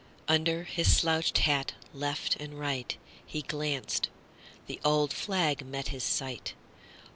Under his slouched hat left and rightHe glanced: the old flag met his sight.